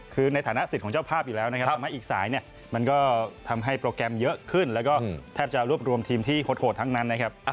คือในฐานะสิทธิ์ของเจ้าภาพอยู่แล้วนะครับทำให้อีกสายเนี่ยมันก็ทำให้โปรแกรมเยอะขึ้นแล้วก็แทบจะรวบรวมทีมที่โหดทั้งนั้นนะครับ